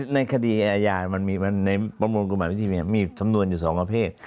ในคดีอาญามันมีในประมวลกฎหมายวิธีมีสำนวนอยู่๒ประเภท